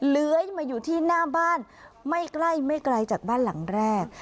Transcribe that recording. เลื้อยมาอยู่ที่หน้าบ้านไม่ใกล้ไม่ไกลจากบ้านหลังแรก